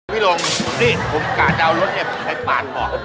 พี่ลงนี่ผมกะจะเอารถเอ็บให้ปากบอก